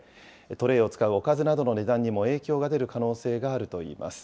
トレーを使うおかずなどの値段にも影響が出る可能性があるといいます。